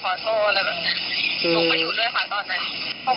กราบขอโทษอะไรแบบนั้นหนุ่มไปอยู่ด้วยค่ะตอนนั้น